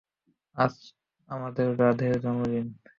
আজ আমাদের রাধের জন্মদিন।